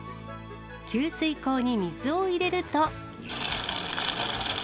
給水口に水を入れると。